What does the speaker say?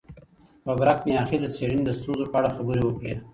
ببرک میاخیل د څېړني د ستونزو په اړه خبري وکړې.